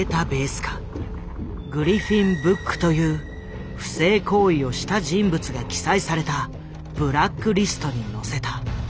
「グリフィン・ブック」という不正行為をした人物が記載されたブラックリストに載せた。